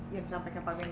yang disampaikan pak minggu